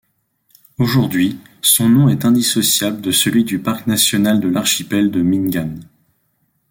Aujourd'hui, son nom est indissociable de celui du parc national de l'archipel de Mingan.